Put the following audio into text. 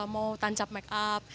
mau tancap make up